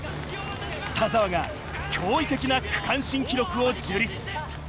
田澤が驚異的な区間新記録を樹立。